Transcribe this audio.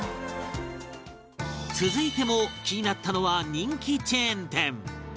続いても気になったのは人気チェーン店